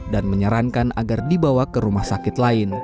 dan menyarankan agar dibawa ke rumah sakit